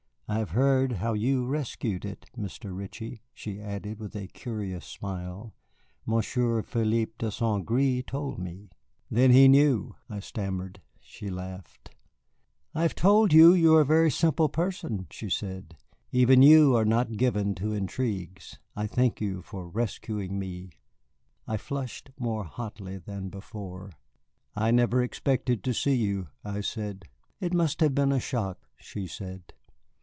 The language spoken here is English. I have heard how you rescued it, Mr. Ritchie," she added, with a curious smile. "Monsieur Philippe de St. Gré told me." "Then he knew?" I stammered. She laughed. "I have told you that you are a very simple person," she said. "Even you are not given to intrigues. I thank you for rescuing me." I flushed more hotly than before. "I never expected to see you," I said. "It must have been a shock," she said.